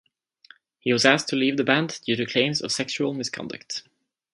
He was asked to leave the band due to claims of sexual misconduct.